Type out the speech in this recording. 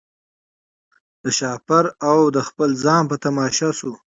د شهپر او د خپل ځان په تماشا سو